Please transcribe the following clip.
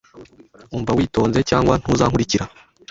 Umva witonze, cyangwa ntuzankurikira.